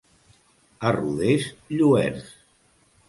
A Rodés, lluerts.